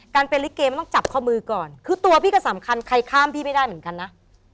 การเป็นลิเกมันต้องจับข้อมือก่อนคือตัวพี่ก็สำคัญใครข้ามพี่ไม่ได้เหมือนกันนะ